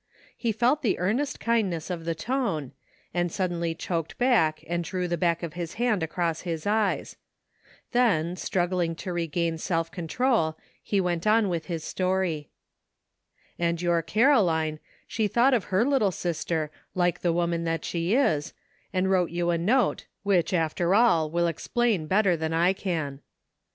lie felt the earnest kindness of the tone, and suddenly choked and drew the back of bis hand across his eyes. Then, struggling to regain self con trol, he went on with his story. "And your Caroline, she thought of her little sister, like the woman that she is, and wrote you a note, which, after all, will explain better than I can."